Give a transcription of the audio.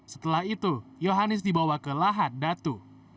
setelah itu yohanis dibawa ke lahan datu